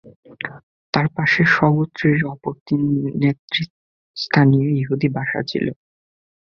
তার পাশে স্বগোত্রেরই অপর তিন নেতৃস্থানীয় ইহুদী বসা ছিল।